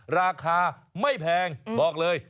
ราคาไม่แพงบอกเลย